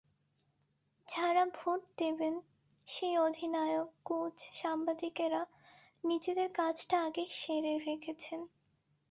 যাঁরা ভোট দেবেন সেই অধিনায়ক, কোচ, সাংবাদিকেরা নিজেদের কাজটা আগেই সেরে রেখেছেন।